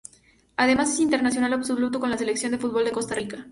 Además es internacional absoluto con la Selección de fútbol de Costa Rica.